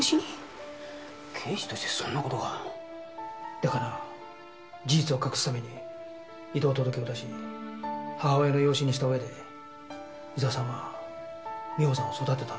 だから事実を隠すために異動届を出し母親の養子にしたうえで伊沢さんは美穂さんを育てたんだ。